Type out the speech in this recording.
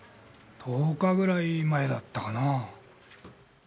１０日ぐらい前だったかな。